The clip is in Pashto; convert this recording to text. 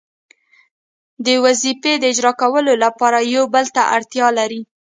د وظیفې د اجرا کولو لپاره یو بل ته اړتیا لري.